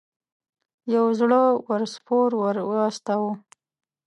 یو زړه ور سپور ور واستاوه.